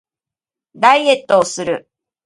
ダイエットをする